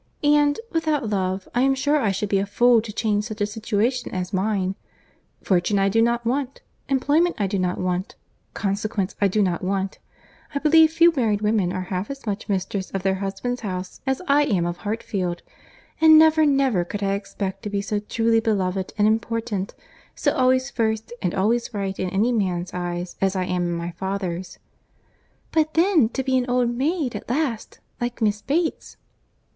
And, without love, I am sure I should be a fool to change such a situation as mine. Fortune I do not want; employment I do not want; consequence I do not want: I believe few married women are half as much mistress of their husband's house as I am of Hartfield; and never, never could I expect to be so truly beloved and important; so always first and always right in any man's eyes as I am in my father's." "But then, to be an old maid at last, like Miss Bates!"